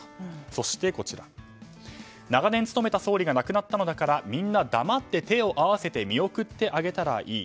そして、長年務めた総理が亡くなったのだからみんな黙って手を合わせて見送ってあげたらいい。